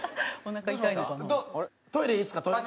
トイレいいですか？